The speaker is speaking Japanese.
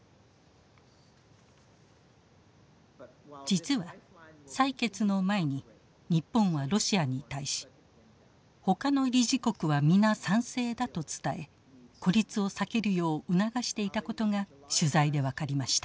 実は採決の前に日本はロシアに対し「他の理事国はみな賛成だ」と伝え孤立を避けるよう促していたことが取材で分かりました。